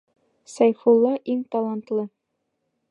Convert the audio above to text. Сәйфулла иң талантлы...